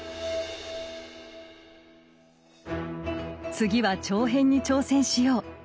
「次は長編に挑戦しよう」。